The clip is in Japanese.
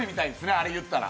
あれ言ったら。